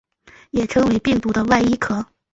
也称为病毒的外衣壳。